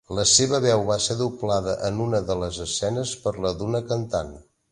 La seva veu va ser doblada en una de les escenes per la d'una cantant.